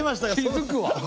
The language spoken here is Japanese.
気づくわ！